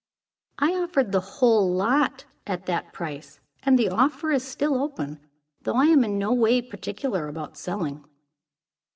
"I offered the whole lot at that price, and the offer is still open; though I am in no way particular about selling."